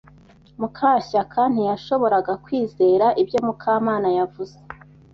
Mukashyaka ntiyashoboraga kwizera ibyo Mukamana yavuze.